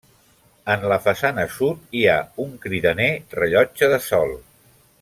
En la façana sud, hi ha un cridaner rellotge de sol.